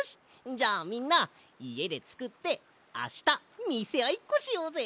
じゃあみんないえでつくってあしたみせあいっこしようぜ！